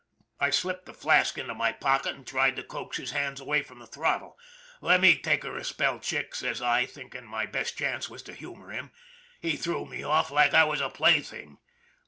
I slipped the flask into my pocket, and tried to coax his hands away from the throttle. "' Let me take her a spell, Chick/ says I, thinking my best chance was to humor him. " He threw me off like I was a plaything.